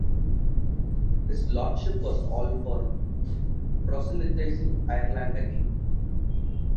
His lordship was all for proselytizing Ireland again.